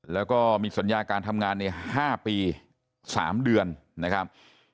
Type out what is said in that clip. แล้วก็มีสัญญาการทำงานใน๕ปี๓เดือนนะครับ